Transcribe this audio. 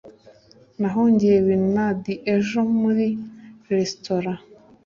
nahungiye i bernard ejo muri resitora